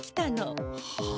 はあ。